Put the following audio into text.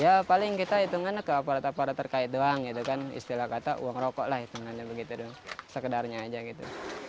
ya paling kita hitungan ke aparat aparat terkait doang istilah kata uang rokok lah sekedarnya aja gitu